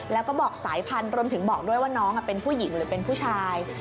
แล้วก็บอกสายพันธุ์รวมถึงบอกด้วยว่าน้องเป็นผู้หญิงหรือเป็นผู้ชาย